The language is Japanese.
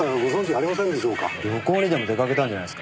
旅行にでも出かけたんじゃないですか？